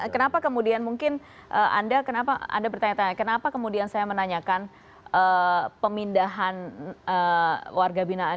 kenapa kemudian mungkin anda bertanya tanya kenapa kemudian saya menanyakan pemindahan warga binaan